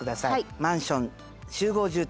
マンション集合住宅。